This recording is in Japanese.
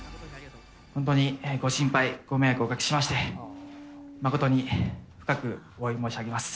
本当にご心配、ご迷惑をおかけしまして、誠に深くおわび申し上げます。